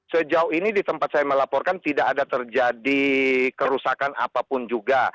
sejauh ini di tempat saya melaporkan tidak ada terjadi kerusakan apapun juga